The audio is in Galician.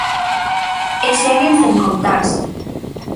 E seguen sen contarse.